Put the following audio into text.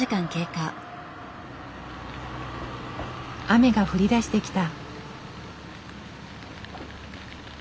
雨が降りだしてきた。